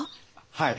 はい。